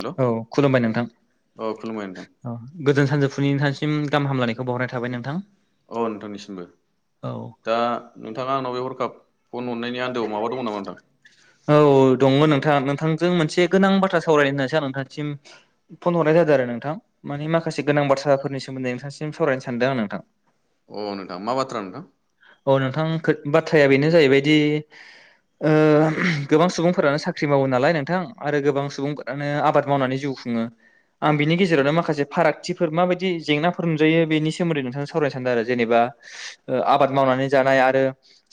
हेल' औ खुलुमबाय नोंथां औ खुलुमबाय नोंथां औ गोजोन सानजौफुनि नोंथांनिसिम गाहाम हामलायनायखौ बाहरनाय थाबाय नोंथां। अ नोंथांनिसिमबो औ दा नोंथाङा आंनाव बे हरखाब फन हरनायनि आन्दोआव माबा दङ नामा नोंथां औ दङ नोंथां नोंथांजों मोनसे गोनां बाथ्रा औ। सावरायनो होनसै आं नोंथांसिम फन हरनाय जादों आरो नोंथां माने माखासे गोनां बाथ्राफोरनि सोमोन्दै नोंथांसिम सावरायनो सानदों आं नोंथां। अ नोंथां मा बाथ्रा नोंथां औ नोंथां बाथ्राया बेनो जाहैबायदि ओ गोबां सुबुंफोरानो साख्रि मावो नालाय नोंथां आरो गोबां सुबुंफ्रानो आबाद मावनानै जिउ खुङो आं बिनि गेजेरावनो माखासे फारागथिफोर माबायदि जेंनाफोर नुजायो बेनि सोमोनदै नोंथां जों सावरायनो सानदो आरो जेनेबा आबाद मावनानै जानाय आरो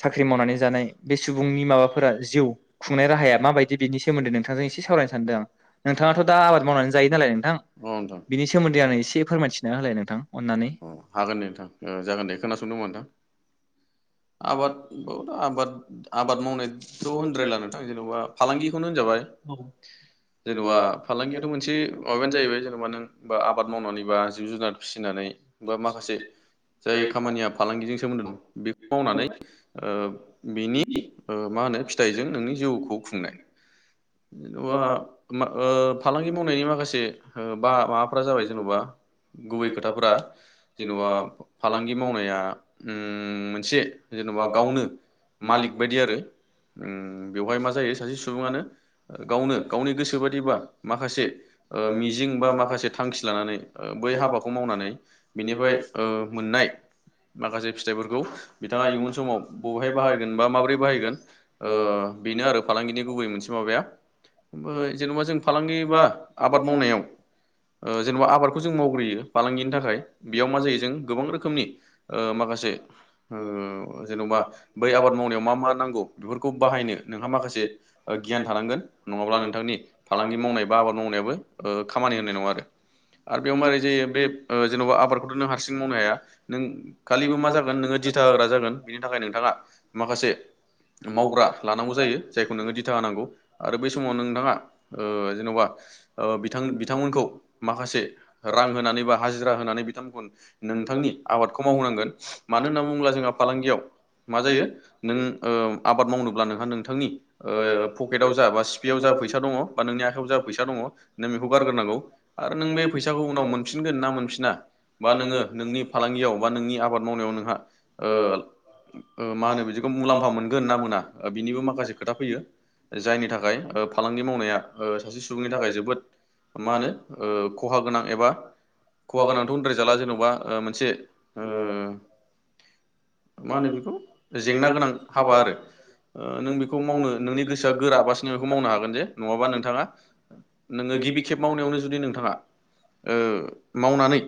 साख्रि मावनानै जानाय बे सुबुंनि माबाफोरा जिउ खुंनाय राहाया माबायदि बिनि सोमोन्दै नोंथांजों एसे सावरायनो। सादोंं नोंथाङाथ' दा आबाद मावनानै जायो नालाय नोंथां अ नोंथां बिनि सोमोन्दै आंनो एसे फोरमायथिना होलाय नोंथां अननानै। अ हागोन नोंथां ओ जागोन दे खोनासंदो मोसा नोंथां आबाद थ आबाद आबाद मावनायथ' होनद्रायला नोंथां जेन'बा फालांगिखौनो होनजाबाय जेन'बा फालांगियाथ' मोनसे माबायानो जाहैबाय जेनबा नों आबाद मावनानैबा जिब जुनार फिसिनानै बा मा खासे जाय खामानिया फालांगिजों सोमोन्दो दं बेखौ मावनानै बिनि मा होनो फिथाइजों नोंनि जिउखौ खुंनाय। जेन'बा ओ फालांगि मावनायनि माखासे बा माबाफोरा जाबाय जेन'बा गुबै खोथाफोरा जेनेबा फालांगि मावनाया उम मोनसे जेनेबा गावनो मालिक बायदि आरो उम। बेवहाय मा जायो सासे सुबुङानो गावनो गावनि गोसो बायदिबा माखासे मिजिं बा माखासे थांखि लानानै बै हाबाखौ मावनानै बिनिफ्राय ओ मोननाय माखासे फिथाइफोरखौ बिथाङा इयुन समाव बबेहाय बाहायगोन बा माबोरै बाहायगोन ओ। बेनो आरो फालांगिनि गुबै मोनसे माबाया। ओमफ्राय जेनेबा जों फालांगि बा आबाद मावनायाव ओ जेनेबा आबादखौ जों मावग्रोयो फालांगिनि थाखाय बेयाव मा जायो जों गोबां रोखोमनि ओ माखासे जेन'बा बै आबाद मावनायाव मा मा नांगौ बेफोरखौ बाहायनो। नोंहा माखासे ओ गियान थानांगोन। नङाब्ला नोंथांनि फालांगि मावनाय बा आबाद मावनायाबो ओ खामानि होननाय नङा आरो बेयाव मारोरै जायो बे जेन'बा ओ आबादखौथ' नों हारसिं मावनो हाया नों खालिबो मा जागोन नोङो दिथा होग्रा जागोन बिनि थाखाय नोंथाङा माखासे मावग्रा लानांगौ जायो जायखौ नोङो दिथा होनांगौ। आरो बै समाव नोंथाङा ओ जेन'बा बिथां बिथांमोनखौ माखासे रां होनानै बा हाजिरा होनानै बिथांमोनखौ नोंथांनि आबादखौ मावहोनांगोन मानो होनना बुङोब्ला जोंहा फालांगियाव मा जायो नों आबाद मावनोब्ला नोङा। नोंथांनि ओ पकेताव बा सिपियाव जा फैसा दङ बा नोंनि आखायाव जा फैसा दङ नों बेखौ गारग्रोनांगौ आरो नों बे फैसाखौ उनाव मोनफिनगोन ना मोनफिना बा नोङो नोंनि फालांगियाव बा नोंनि आबाद मावनायाव नोंहा ओ मा होनो बिदिखौ मुलाम्फा मोनगोन ना मोना? बिनिबो माखासे खोथा फैयो। जायनि थाखाय ओ फालांगि मावनाया ओ सासे सुबुंनि थाखाय जोबोद मा होनो ओ खहा गोनां एबा खहा गोनांथ' बुंद्रायजालिया जेन'बा ओ मोनसे मा होनो बेखौ जेंना गोनां हाबा आरो ओ नों बेखौ मावनो नोंनि गोसोआ गोरा बासो बेखौ मावनो हागोन जे नङाबा नोंथाङा नोङो गिबि खेब मावनायावनो जुदि नोंथाङा ओ मावनानै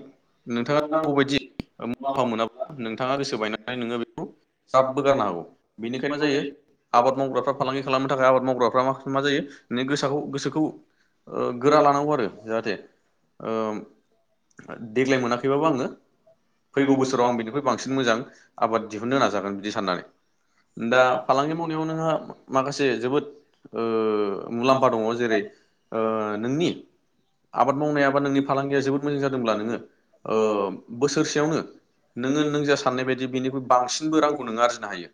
नोंथाङा नांगौबायदि [unintelligible] मोनाबा नोंथाङा गोसो बायनानै बबो गारनो हागौ बेनिखायनो मा जायो आबाद मावग्राफ्रा फालांगि खालामनो थाखाय आबाद मावग्राफ्रा मा जायो गोसाखौ गोसोखौ ओ गोरा लानांगौ आरो जाहाथे ओ। देग्लाय मोनाखैबाबो आङो फैगौ बोसोराव आं बिनिख्रुइ बांसिन मोजां आबाद दिहुननो नाजागोन बिदि साननानै दा फालांगि मावनायाव नोंहा। माखासे जोबोद ओ मुलाम्फा दङ जेरै ओ नोंनि आबाद मावनाया बा नोंनि फालांगिया जोबोद मोजां जादों। ओ बोसोरसेयावनो नोङो नों जा साननाय बायदि बेनिख्रुइ बांसिनबो रांखौ नोङो आरजिनो हायो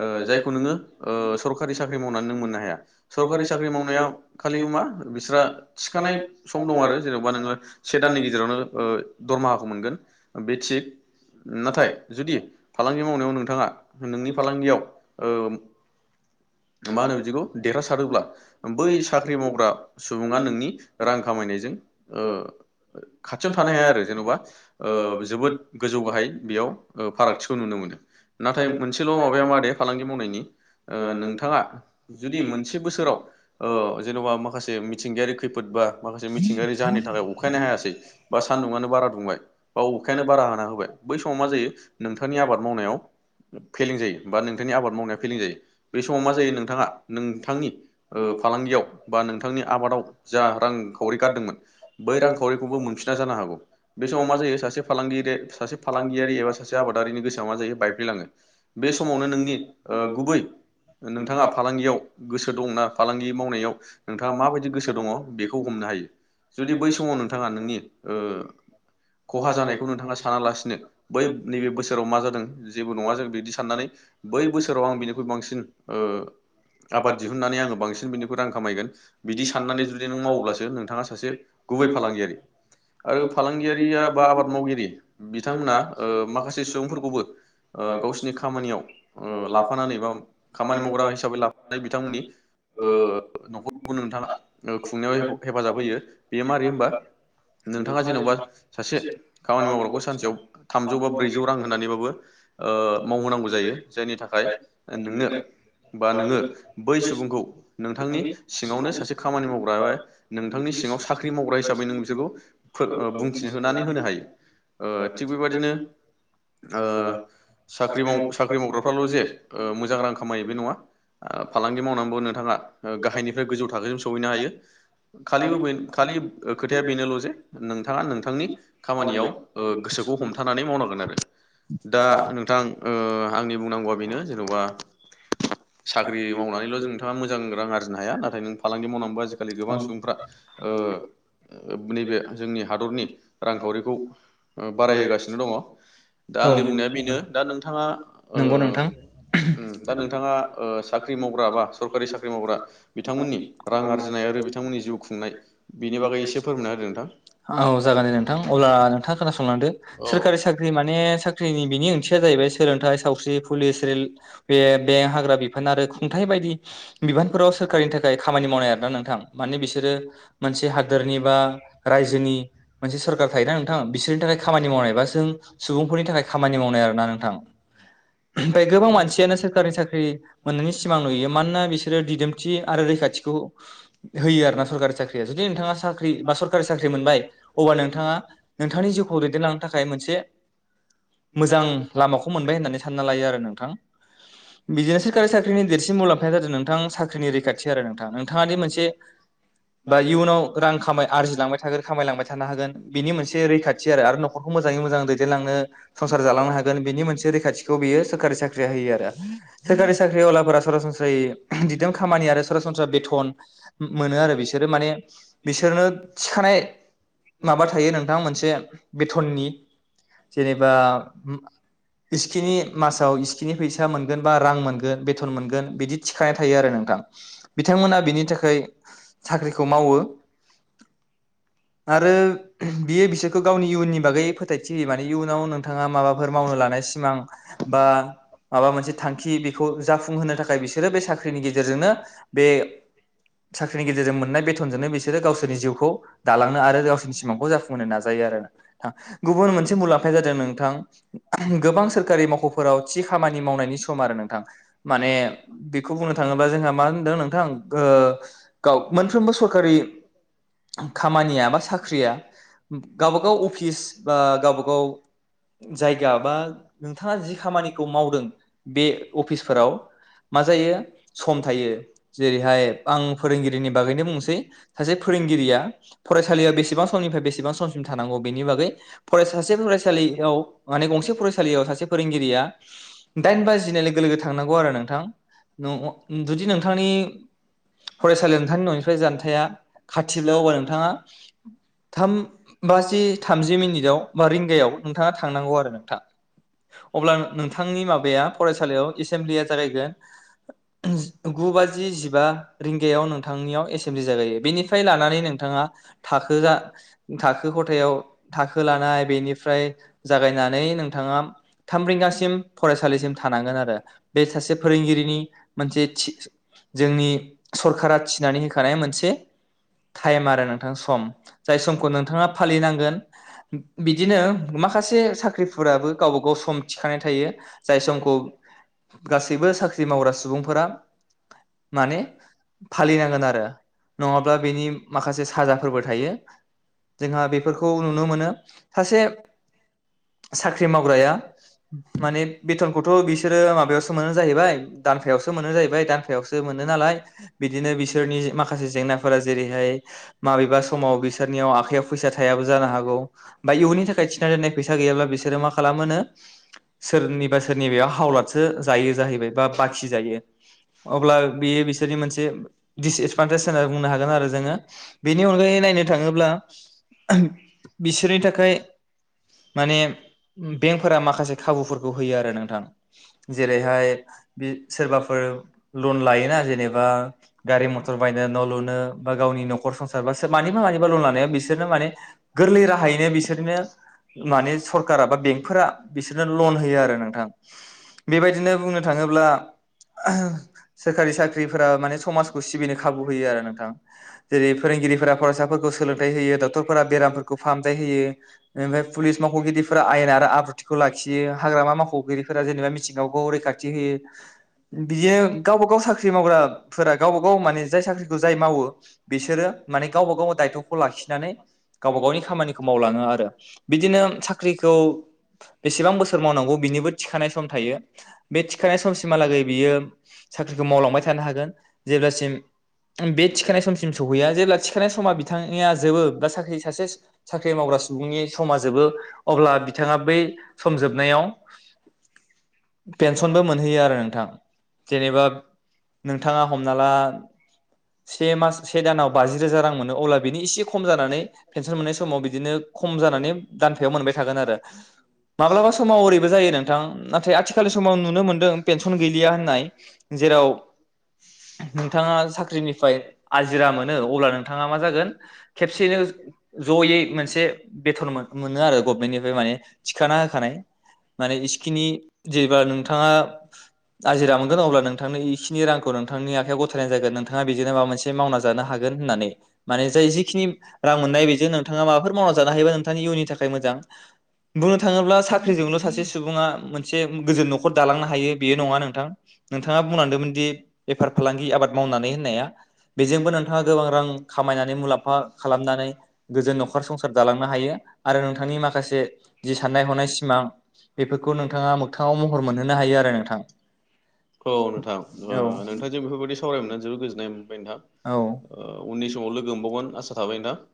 ओ जायखौ नोङो सरखारि साख्रि मावनानै नों मोननो हाया सरकारि साख्रि मावनाया खालि मा बिस्रा थिखानाय सम दं आरो जेन'बा नोङो से दाननि गेजेरावनो दरमाहाखौ मोनगोन बे थिग नाथाय जुदि फालांगि मावनायाव नोंथाङा नोंनि फालांगियाव ओ मा होनो बिदिखौ देरहासारोब्ला बै साख्रि मावग्रा सुबुङा नोंनि रां खामायनायजों ओ खाथियावनो थानो हाया आरो जेन'बा ओ जोबोद गोजौ गाहाय बेयाव ओ फारागथिखौ नुनो मोनो नाथाय मोनसेल' माबाया मादे फालांगि मावनायनि ओ नों नोंथाङा जुदि मोनसे बोसोराव ओ जेन'बा माखासे मिथिंगायारि खैफोद बा माखासे मिथिंगायारि जाहोननि थाखाय अखायानो हायासै बा सानदुङानो बारा दुंबाय बा अखायानो बारा हा होबाय बै समाव मा जायो नोंथांनि आबाद मावनायाव फेलें जायो बा नोंथांनि आबाद मावनाया फेलें जायो। बे समाव मा जायो नोंथाङा नोंथांनि ओ फालांगियाव बा नोंथांनि आबादाव जा रांखावरि गारदोंमोन बै रांखावरिखौबो मोनफिना जानो हागौ बे समाव मा जायो सासे फालगिरि सासे फालांगियारि एबा सासे आबादारिनि गोसोआ मा जायो बायफ्लेलाङो बे समावनो नोंनि ओ गुबै नोंथाङा फालांगियाव गोसो दंना फालांगि मावनायाव नोंथाङा माबायदि गोसो दङ बेखौ हमनो हायो जुदि बै समाव नोंथाङा ओ नोंनि खहा जानायखौ नोंथाङा सानालासिनो बै नैबे बोसोराव मा जादों जेबो नङा जों बिदि साननानै बै बोसोराव आं बिनिख्रुइ बांसिन ओ आबाद दिहुननानै आङो बांसिन बिनिख्रुय रां खामायगोन बिदि साननानै जुदि नों मावोब्लासो नोंथाङा सासे गुबै फालांगियारि आरो फालांगियारिया बा आबाद मावगिरि ओ बिथांमोना ओ माखासे सुबुंफोरखौबो ओ गावसिनि खामानियाव ओ लाफानानै बा खामानि मावग्रा हिसाबै लाानानै बिथांमोननि ओ न'खरखौ नोंथाङा खुंनायाव हेफाजाब होयो बेयो मारै होनबा नोंथाङा जेन'बा सासे खामानि मावग्राखौ सानसेयाव थामजौ बा ब्रैजौ रां होननानैबाबो ओ मावहोनांगौ जायो जायनि थाखाय नोंनो बा नोङो बै सुबुंखौ नोंथांनि सिङावनो सासे खामानि मावग्रा एबा नोंथांनि सिङाव साख्रि मावग्रा हिसाबै नों बिसोरखौ बुंथि होनानै होनो हायो ओ थिग बेबदिनो साख्रि साख्रि मावग्राफ्राल' जे ओ मोजां रां नङा ओ फालांगि मावनानैबो नोंथाङा गाहायनिफ्राय गोजौ थाखोसिम सहैनो हायो खालि खालि खोथाया बेनोल' जे नोंथाङा नोंथांनि खामानियाव ओ गोसोखौ हमथानानै मावनांगोन आरो दा ओ नोंथां आंनि बुंनांगौआ बेनो जेन'बा साख्रि मावनानैल' जों नोंथाङा मोजां रां आरजिनो हाया नाथाय नों फालांगि मावनानैबो आजिखालि गोबां सुबुंफ्रा ओ नैबे जोंनि हादरनि रांखावरिखौ ओ बारायहोगासिनो दङ दा आंनि बुंनाया बेनो दा नोंथाङा ओ नंगौ नोंथां दा नोंथाङा [unintelligible] औ साख्रि मावग्रा बा सरकारि साख्रि मावग्रा बिथांमोननि रां आरजिनाय आरो बिथांमोननि जिउ खुंनाय बेनि बागै एसे फोरमायना होदो जागोन दे नोंथां अब्ला नोंथाङा खोनासंलांदो सोरखारि नोंथां साख्रि माने साख्रिनि बिनि ओंथिया जाहैबाय सोलोंथाइ सावस्रि पुलिस रेल बे बे हाग्रा बिफ आरो खुंथाइ बायदि बिबानफोराव सोरखारनि थाखाय खामानि मावनाय आरोना नोंथां माने बिसोरो मोनसे हादोरनि बा रायजोनि मोनसे सोरखार थायोना नोंथां बिसोरनि थाखाय खामानि मावनायबा जों सुबुंफोरनि थाखाय खामानि मावनाय आरो ना नोंथां ओमफ्राय गोबां मानसियानो सोरखारि साख्रि मोनैनि सिमां नुयो मान बिसोरो दिदोमथि आरो रैखाथिखौ होयो आरो ना सरकारि साख्रिया जुदि नोंथाङा साख्रि बा सरकारि साख्रि मोनबाय अब्ला नोंथाङा नोंथांनि जिउखौ दैदेनलांनो थाखाय मोनसे मोजां लामाखौ मोनबाय होननानै सानना लायो आरो नोंथां बिदिनोस सकारि साख्रिनि देरसिन मुलामफाया [inaudible] जादों नोंथां साख्रिनि रैखाथि आरो नोंथां नोंथाङानि मोनसे बा इयुनाव रां खामाय आरजिलांबाय थागोन खामायलांबाय थानो हागोन बिनि मोनसे रैखाथि आरो न'खरखौ मोजाङै मोजां दैदेनलांनो संसार जालांनो हागोन बिनि मोनसे रैखाथिखौ बियो सोरखारि साख्रिया होयो आरो। सोरखारि साख्रियावलाफोरा सरासन गासै दिदोम खामानि आरो सरासनस्रा बेथ'न मोनो आरो बिसोरो माने बिसोरो थिखानाय माबा थायो नोंथां मोनसे बेथननि जेनेबा इस्खिनि मासाव इसिखिनि फैसा मोनगोनबा रां मोनगोन बेथ'न मोनगोन बिदि थिखानाय थायो आरो नोंथां बिथांमोना बिनि थाखाय साख्रिखौ मावो। आरो बियो बिसोरखौ गावनि इयुननि बागै फोथायथि होयो माने इयुनाव नोंथाङा माबाफोर मावनो लानाय सिमां बा माबा मोनसे थांखि बेखौ जाफुंहोनो थाखाय बिसोरो बे साख्रिनि गेजेरजोंनो बे साख्रिनि गेजेरजों मोननाय बेथनजोंनो बिसोरो गावसोरनि जिउखौ दालांनो आरो गावसिनि सिमांखौ जाफुंहोनो नाजायो आरो ना गुबुन मोनसे मुलाम्फाया जादों नोंथां गोबां सोरखारि मावख'फोराव थि खामानि मावनायनि सम आरो नोंथां माने बेखौ बुंनो थाङोब्ला जोंहा मा होनदों नोंथां ओ गाव मोनफ्रोमबो सरकारि खामानिया बा साख्रिया गावबा गाव अफिस ओ बा गावबा गाव जायगा बा नोंथाङा जि खामानिखौ मावदों बे अफिसफोराव मा जायो सम थायो जेरैहाय आं फोरोंगिरिनि बागैनो बुंसै सासे फोरोंगिरिया फरायसालियाव बेसेबां समनिफ्राय बेसेबां समसिम थानांगौ बेनि बागै फराय सासे फरायसालियाव माने गंसे फरायसालियाव सासे फोरोंगिरिया दाइन बाजिनाय लोगो लोगो थांनांगौ आरो नोंथां जुदि नोंथांनि फरायसालियाव नोंथांनि न'निफ्राय जानथाया खाथि अब्ला नोंथां आ थाम बाजि थामजि मिनिट बा रिंगायाव नोंथाङा थांनांगौ आरो नोंथां अब्ला नोंथांनि माब फरायसालियाव एसेमब्लिया जागायगोन गु बाजि जिबा रिंगायाव नोंथांनियाव एसेमब्लि जागायो बेनिफ्राय लानानै नोंथाङा थाखो जा थाखो खथायाव थाखो लानाय बेनिफ्राय जागायनानै नोंथाङा थाम रिंगासिम फरायसालिसिम थानांगोन आरो बे सासे फोरोंगिरिनि मोनसे थि जोंनि सरखारा थिनानै होखानाय मोनसे टाइम आरो नोंथां। सम जाय समखौ नोंथाङा फालिनांगोन बिदिनो माखासे साख्रिफोराबो गावबा गाव सम थिखानाय थायो। जाय समखौ गासैबो साख्रि मावग्रा सुबुंफोरा माने फालिनांगोन आरो नङाब्ला बेनि माखासे फोरबो थायो जोंहा बेफोरखौ नुनो मोनो सासे साख्रि मावग्राया मा बेथनखौथ' बिसोरो माबायावसो मोनो जाहैबाय दानफायावसो मोनो जाहैबाय दानफायावसो मोनो नालाय बिदिनो बिसोरनि माखासे जेंनाफोरा जेरैहाय माबेबा समाव बिसोरनियाव आखायाव फैसा थायाबो जानो हागौ बा इयुननि थाखाय थिना दोननाय फैसा फैसा गैयाब्ला बिसोरो मा खालामोनो सोरनिबा सोरनिबायाव हावलादसो जायो जाहैबाय बा बाखि जायो अब्ला बेयो बिसोरनि मोनसे दिसएदभान्टेज होननानै बुंनो हागोन आरो जोङो बेनि अनगायै नायनो थाङोब्ला बिसोरनि थाखाय माने बेंकफोरा माखासे खाबुफोरखौ होफैयो आरो नोंथां जेरैहाय बे सोरबाफोर लन लायोना जेनेबा गारि मथर बायनो न' लुनो बा गावनि न'खर संसार बा सोर मानिबा मानिबा लन लानायाव बिसोरनो माने गोरलै राहायैनो बिसोरनो माने सरखारा बा बेंकफोरा बिसोरनो लन होयो आरो। आरो नोंथां बेबायदिनो बुंनो थाङोब्ला सोरखारि साख्रिफोरा माने समाजखौ सिबिनो खाबु होयो आरो नोंथां जेरै फोरोंगिरिफोरा फरायसाफोरखौ सोलोंथाइ होयो डक्टरफोरा बेरामफोरखौ फाहामथाय होयो ओमफ्राय पुलिस मावख'गिरिफोरा आयेन आरो आब्रुथिखौ लाखियो हाग्रामा माव ख'गिरिफोरा जेनेबा मिथिंगाखौ रैखाथि होयो बिदिनो गावबा गाव साख्रि मावग्राफोरा गावबा गाव माने जाय साख्रिखौ जाय मावो बिसोरो माने गावबा गाव दायथ'खौ लाखिनानै गावबा गावनि खामानिखौ मावलाङो आरो बिदिनो साख्रिखौ बेसेबां बोसोर मावनांगौ बिनिबो थिखानाय सम थायो बे थिखानाय समसिमहालागै बियो साख्रिखौ मावलांबाय थानो हागोन जेब्लासिम बे थिखानाय समसिम सहैया जेब्ला थिखानाय समा बिथांनिया जोबो बा साख्रि सासे साख्रि मावग्रा सुबुंनि समा जोबो अब्ला बिथाङा बै सम जोबनायाव पेनसनबो मोनहैयो आरो नोंथां जेनेबा नोंथाङा हमना ला से मास से दानाव बाजि रोजा रां मोनो अब्ला बिनि इसे खम जानानै पेनसन मोननाय समाव बिदिनो खम जानानै दानफायाव मोनबाय थागोन आरो माब्लाबा समाव ओरै जायो नोंथां नाथाइ आथिलनि समाव नुनो मोनदों पेनसन गैलाया होननाय जेराव नोंथाङा साख्रिनिफ्राय आजिरा मोनो अब्ला नोंथाङा मा जागोन खेबसेनो जयै मोनसे बेथन मो‌ मोनो आरो गभमेन्टनिफ्राय माने थिखाना होखानाय माने इसखिनि जेब्ला नोंथाङा आजिरा मोनगोन अब्ला नोंथांनो इखिनि रांखौ नोंथांनि आखाइयाव गथायनाय जागोन नोंथाङा बेजोंनो माबा मोनसे मावना जानो हागोन होननानै माने जाय जिखिनि रां मोननाय बेजों नोंथाङा माबाफोर मावना जानो हायोबा नोंथांनि इयुननि थाखाय मोजां बुंनो थाङोब्ला साख्रिजोंल' सासे ङा मोनसे एसे गोजोन न'खर दालांनो हायो बेयो नङा नोंथां नोंथाङा बुंलांदोंमोनदि बेफार फालांगि आबाद मावनानै होननाया बेजोंबो नोंथाङा गोबां रां खामायनानै मुलाम्फा खालामनानै गोजोन न'खर संसार दालांनो हायो आरो नोंथांनि माखासे जि साननाय हनाय सिमां बेफोरखौ नोंथां [unintelligible] औ मोगथाङाव महर मोनहोनो हायो आरो नोंथां औ ओ नोंथांजों बेफोरबायदि सावराय मोननानै जोबोद गोजोननाय मोनबाय नोंथां औ उननि समाव लोगो मोनबावगोन आसा थाबाय नोंथां